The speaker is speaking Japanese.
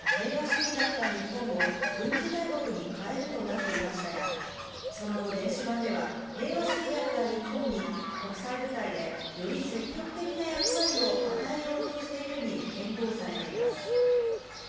当初、タイトルは岸田総理が平和主義だった日本を軍事大国に変えるとなっていましたが、その後、電子版では、平和主義だった日本に、国際舞台でより積極的な役割を与えようとしているに変更されています。